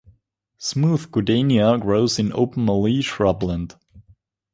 Smooth goodenia grows in open mallee shrubland.